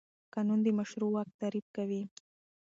قانون د مشروع واک تعریف کوي.